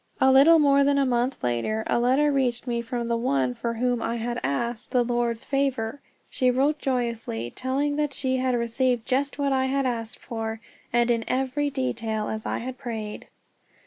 A little more than a month later, a letter reached me from the one for whom I had asked the Lord's favor. She wrote joyously, telling that she had received just what I had asked for, and in every detail as I had prayed.